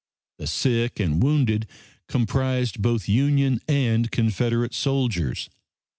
The sick and wounded comprised both Union and Confederate soldiers.